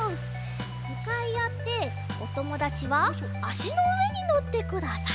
むかいあっておともだちはあしのうえにのってください。